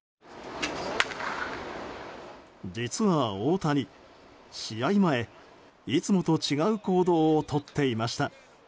実は大谷、試合前いつもと違う行動をとっていました。